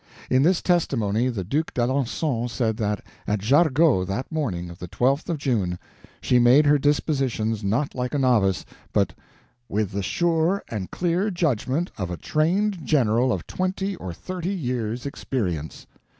In this testimony the Duke d'Alencon said that at Jargeau that morning of the 12th of June she made her dispositions not like a novice, but "with the sure and clear judgment of a trained general of twenty or thirty years' experience."